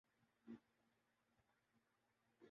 باقی تاریخ عمرانیات مالیات تھے مضامین جو وہ کبھی نہیں رکھتے تھے